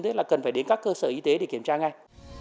thế là cần phải đến các cơ sở y tế để kiểm tra ngay